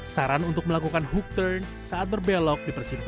saran untuk melakukan hook turn saat berbelok